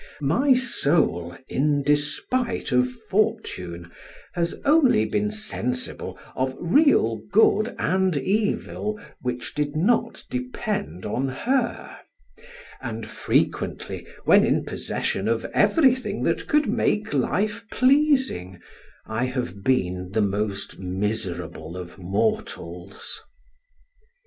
My soul, in despite of fortune, has only been sensible of real good and evil, which did not depend on her; and frequently, when in possession of everything that could make life pleasing, I have been the most miserable of mortals.